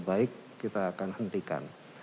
baik kita akan hentikan